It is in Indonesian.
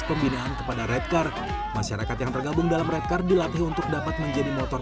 pembinaan kepada redcard masyarakat yang tergabung dalam redcard dilatih untuk dapat menjadi motor